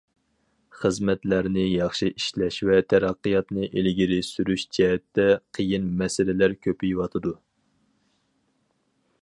خىزمەتلەرنى ياخشى ئىشلەش ۋە تەرەققىياتنى ئىلگىرى سۈرۈش جەھەتتە قىيىن مەسىلىلەر كۆپىيىۋاتىدۇ.